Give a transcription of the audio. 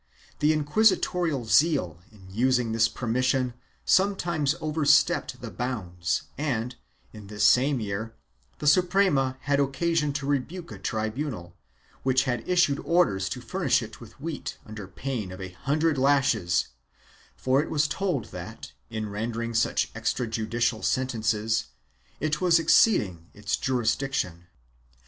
Yet inquisitorial zeal in using this permission sometimes overstepped the bounds and, in this same year, the Suprema had occasion to rebuke a tribunal which had issued orders to furnish it with wheat under pain of a hundred lashes, for it was told that, in rendering such extra judicial sentences, it was exceeding its jurisdiction.